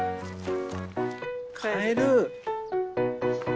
カエル。